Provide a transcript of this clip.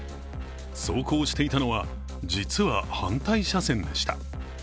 走行していたのは、実は反対車線でした。